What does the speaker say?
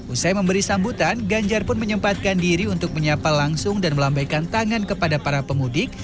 usai memberi sambutan ganjar pun menyempatkan diri untuk menyapa langsung dan melambaikan tangan kepada para pemudik